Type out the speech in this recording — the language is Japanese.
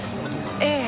ええ。